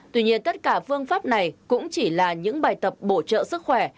tuy nhiên tất cả phương pháp này cũng chỉ là những bài tập bổ trợ sức khỏe